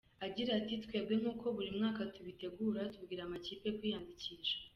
Agira ati “Twebwe nk’uko buri mwaka tubitegura, tubwira amakipe kwiyandikisha.